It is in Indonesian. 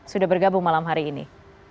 sudah bergabung malam hari ini